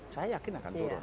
saya yakin akan turun